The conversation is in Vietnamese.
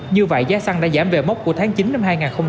như vậy giá xăng đã giảm về mốc của tháng chín năm hai nghìn hai mươi ba